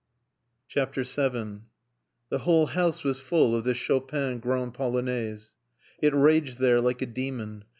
VII The whole house was full of the Chopin Grande Polonaise. It raged there like a demon.